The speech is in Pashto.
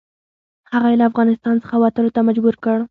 هغه یې له افغانستان څخه وتلو ته مجبور کړ.